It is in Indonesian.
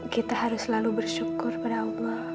kita harus selalu bersyukur kepada allah